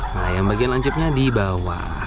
nah yang bagian lancipnya di bawah